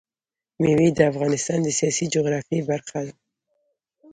مېوې د افغانستان د سیاسي جغرافیه برخه ده.